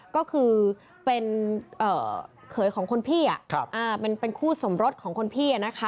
ก็คือเป็นเขยของคนพี่เป็นคู่สมรสของคนพี่